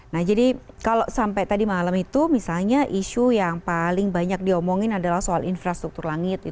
nah jadi kalau sampai tadi malam itu misalnya isu yang paling banyak diomongin adalah soal infrastruktur langit